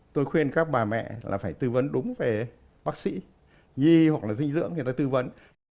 tôi khuyên các bà mẹ là phải tư vấn đúng về bác sĩ nhi hoặc là dinh dưỡng người ta tư vấn